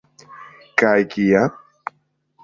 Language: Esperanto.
Kaj kia?